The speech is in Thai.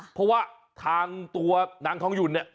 เพราะว่าทางตัวนางทองหยุ่นเนี่ย